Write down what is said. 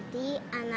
nanti ibu mau pelangi